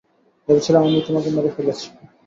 ভেবেছিলাম আমি তোমাকে মেরে ফেলেছি।